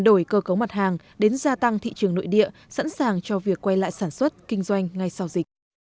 đổi cơ cấu mặt hàng đến gia tăng thị trường nội địa sẵn sàng cho việc quay lại sản xuất kinh doanh ngay sau dịch